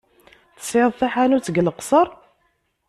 Tesɛiḍ taḥanut deg Leqṣeṛ?